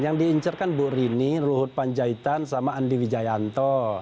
yang di incerkan bu rini luhut panjaitan sama andi wijayanto